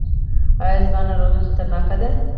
ایا زما ناروغي خطرناکه ده؟